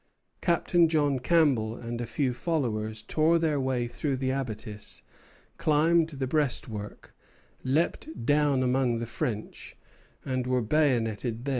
Captain John Campbell and a few followers tore their way through the abattis, climbed the breastwork, leaped down among the French, and were bayoneted there.